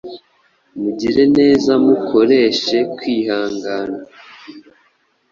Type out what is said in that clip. Mugire neza mukoreshe kwihangana,